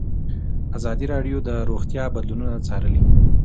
ازادي راډیو د روغتیا بدلونونه څارلي.